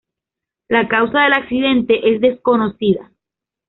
La causa del accidente es desconocida.